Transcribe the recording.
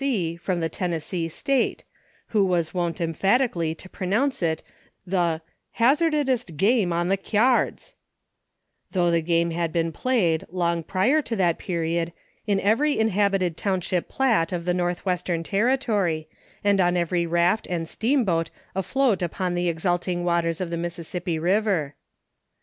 C, from the Tennessee State — who was wont emphatically to pronounce it the " hazardestest game on the keards;" though the game had been played, long prior to that period, in every inhabited township plat of the northwestern territory, and on every raft and steamboat afloat upon the exulting waters of the Mis sissippi Eiver.